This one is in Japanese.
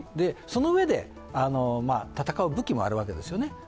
そのうえで戦う武器もあるわけですよね。